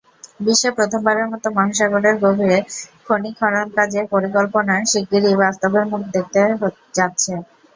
বিশ্বে প্রথমবারের মতো মহাসাগরের গভীরে খনি খননকাজের পরিকল্পনা শিগগিরই বাস্তবের মুখ দেখতে যাচ্ছে।